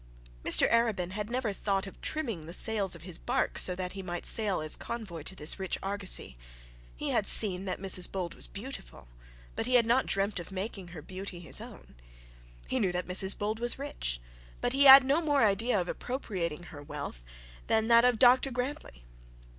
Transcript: Mr Arabin had never thought of trimming the sails of his bark so that he might sail as convoy to this rich argosy. He had seen that Mrs Bold was beautiful, but he had not dreamt of making her beauty his own. He knew that Mrs Bold was rich, but he had no more idea of appropriating her wealth than that of Dr Grantly.